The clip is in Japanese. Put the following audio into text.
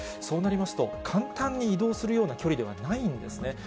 そうなりますと、簡単に移動するような距離ではないんですね。